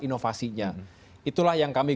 motivasinya itulah yang kami